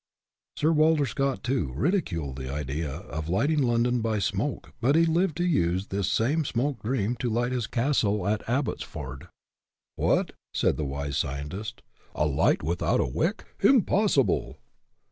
Sir Walter Scott, too, ridiculed the idea of light ing London by " smoke/' but he lived to use this same smoke dream to light his castle at Abbottsford. "What!" said the wise scientists, " a light without a wick ? Impos sible!"